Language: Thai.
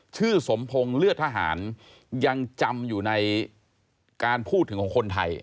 สมพงศ์เลือดทหารยังจำอยู่ในการพูดถึงของคนไทย